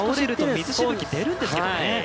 水しぶき出るんですけどね。